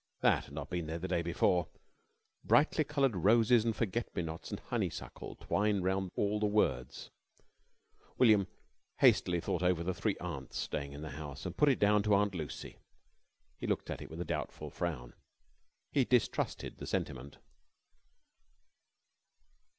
That had not been there the day before. Brightly coloured roses and forget me nots and honeysuckle twined round all the words. William hastily thought over the three aunts staying in the house, and put it down to Aunt Lucy. He looked at it with a doubtful frown. He distrusted the sentiment.